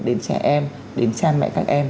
đến trẻ em đến cha mẹ các em